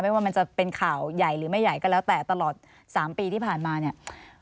ว่ามันจะเป็นข่าวใหญ่หรือไม่ใหญ่ก็แล้วแต่ตลอด๓ปีที่ผ่านมาเนี่ย